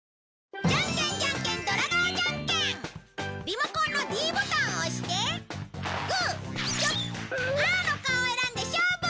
リモコンのｄボタンを押してグーチョキパーの顔を選んで勝負！